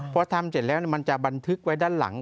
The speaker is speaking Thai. เพราะทำเสร็จแล้วเนี่ยมันจะบันทึกไว้ด้านหลัง